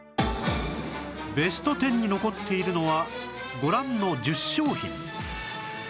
ベスト１０に残っているのはご覧の１０商品